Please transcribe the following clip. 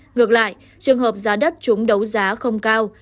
ngược lại trường hợp giá đất chúng đấu giá không cao